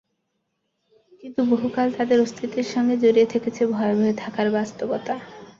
কিন্তু বহুকাল তাঁদের অস্তিত্বের সঙ্গে জড়িয়ে থেকেছে ভয়ে ভয়ে থাকার বাস্তবতা।